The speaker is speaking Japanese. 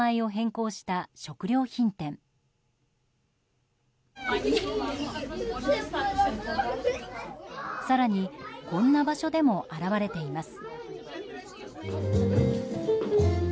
更に、こんな場所でも表れています。